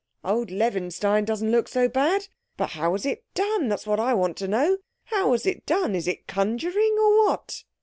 "Old Levinstein don't look so bad. But how was it done—that's what I want to know. How was it done? Is it conjuring, or what?"